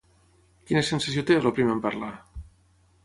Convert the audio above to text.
Quina sensació té, el primer en parlar?